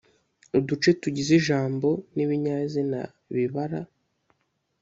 uduce tugize ijambo n’ibinyazina bibara